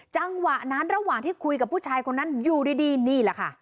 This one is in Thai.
จังหวะนั้นระหว่างที่คุยกับผู้ชายคนนั้นอยู่ดีนี่แหละค่ะ